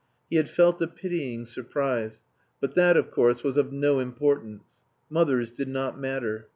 He had felt a pitying surprise. But that, of course, was of no importance. Mothers did not matter.